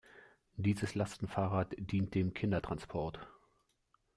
Dieses Lastenfahrrad dient dem Kindertransport.